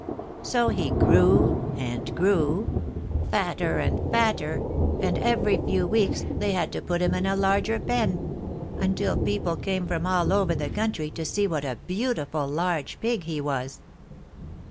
So he grew and grew, fatter and fatter, and every few weeks they had to put him in a larger pen, until people came from all over the country to see what a beautiful large pig he was.